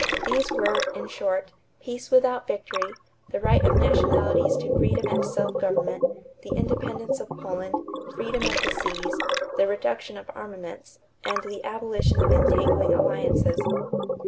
These were, in short: "peace without victory"; the right of nationalities to freedom and self government; the independence of Poland; freedom of the seas; the reduction of armaments; and the abolition of entangling alliances.